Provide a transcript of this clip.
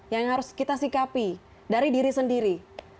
yang harus kita sikapi dari diri sendiri